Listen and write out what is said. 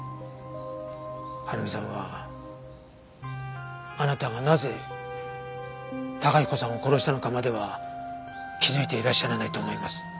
晴美さんはあなたがなぜ崇彦さんを殺したのかまでは気づいていらっしゃらないと思います。